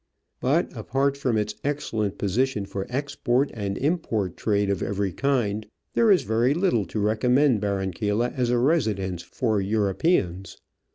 But, apart from its excellent position for export and import trade of every kind, there is very little to recommend Barranquilla as a residence for Europeans.